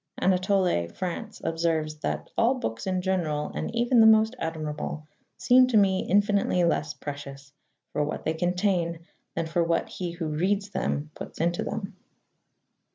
Anatole France observes that "all books in general, and even the most admirable, seem to me infinitely less precious for what they contain than for what he who reads puts into them."